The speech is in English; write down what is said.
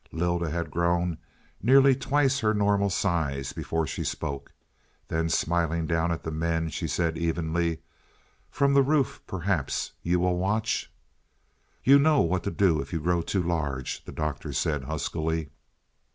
Lylda had grown nearly twice her normal size before she spoke. Then, smiling down at the men, she said evenly, "From the roof, perhaps, you will watch." "You know what to do if you grow too large," the Doctor said huskily.